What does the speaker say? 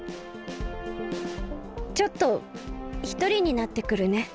ちょっとひとりになってくるね。